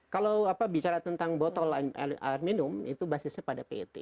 kalau bicara tentang botol air minum itu basisnya pada pet